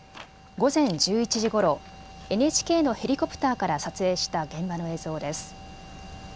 午前１１時ごろ、ＮＨＫのヘリコプターから撮影した現場の映像です。